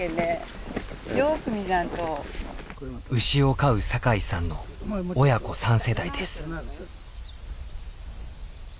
牛を飼う酒井さんの親子３世代です。